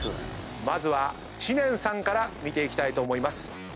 まずは知念さんから見ていきたいと思います。